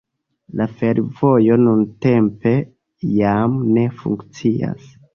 La fervojo nuntempe jam ne funkcias.